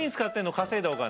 稼いだお金。